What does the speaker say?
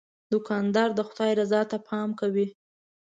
دوکاندار د خدای رضا ته پام کوي.